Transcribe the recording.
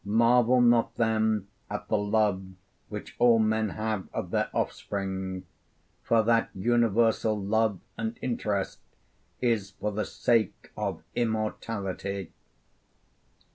Marvel not then at the love which all men have of their offspring; for that universal love and interest is for the sake of immortality.'